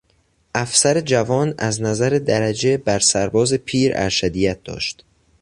افسر جوان از نظر درجه برسرباز پیر ارشدیت داشت.